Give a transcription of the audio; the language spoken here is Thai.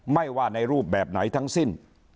ไม่ว่าในรูปแบบไหนทั้งสิ้น